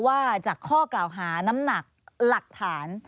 ว่าจากข้อกล่าวหาน้ำหนักหลักฐาน